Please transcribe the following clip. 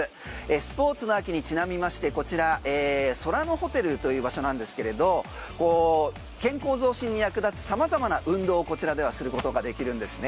スポーツの秋にちなみましてこちらＳＯＲＡＮＯＨＯＴＥＬという場所なんですが健康増進に役立つ様々な運動をこちらではすることができるんですね。